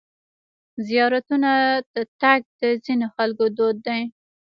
زیارتونو ته تګ د ځینو خلکو دود دی.